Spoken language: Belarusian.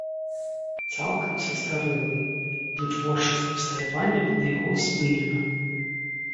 Цалкам састарэлы, вытворчасць абсталявання пад яго спынена.